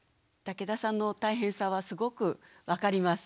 竹田さんの大変さはすごく分かります。